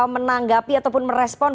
menanggapi ataupun merespon